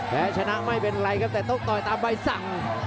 และชนะไม่เป็นไรครับแต่ต้องต่อยตามใบสั่ง